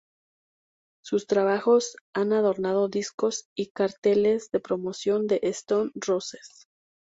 Sus trabajos han adornado discos y carteles de promoción de Stone Roses.